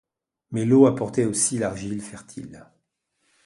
Mais l'eau apportait aussi l'argile fertile.